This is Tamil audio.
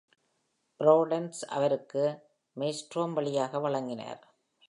பிராவிடன்ஸ் அவருக்கு மெய்ல்ஸ்ட்ரோம் வழியாக வழங்கினார்.